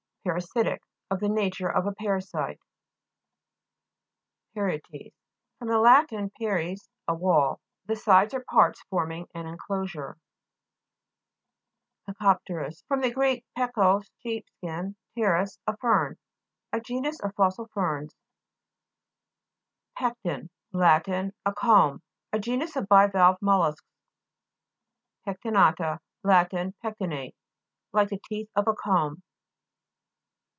PARASI'TIC Of the nature of a para site. PARI'ETES fr. lat. paries, a wall. The sides or parts forming an en closure. PARIS BASIN (p. 79). PECO'PTERIS fr. gr. pekos, sheep skin, pteris, a fern. A genus of fos sil ferns. PE'CTEK Lat. A comb. A genus of bivalve mollusks. PECTIKA'TA Lat. Pectinate; like the teeth of a comb.